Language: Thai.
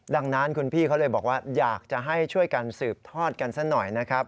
ดังนั้นคุณพี่เขาเลยบอกว่าอยากจะให้ช่วยกันสืบทอดกันซะหน่อยนะครับ